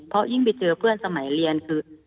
เพราะยิ่งไปเจอเพื่อนสมัยเรียนคือ